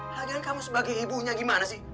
latihan kamu sebagai ibunya gimana sih